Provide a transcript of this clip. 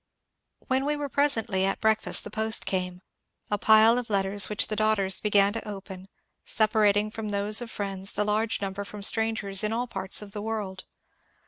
When we were presently at breakfast the post came, — a pile of letters which the daughters began to open, separating from those of friends the large number from strangers in all parts of the world.